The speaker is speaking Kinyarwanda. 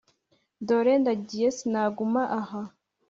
dore ndagiye sinaguma aha